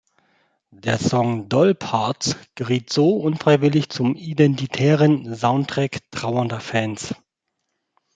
Der Song "Doll Parts" geriet so unfreiwillig zum identitären Soundtrack trauernder Fans.